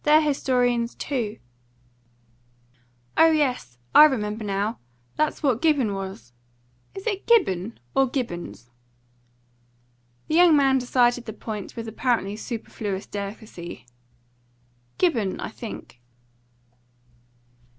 "They're historians too." "Oh yes; I remember now. That's what Gibbon was. Is it Gibbon or Gibbons?" The young man decided the point with apparently superfluous delicacy. "Gibbon, I think."